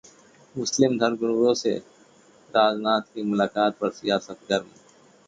मुस्लिम धर्मगुरुओं से राजनाथ की मुलाकात पर सियासत गर्म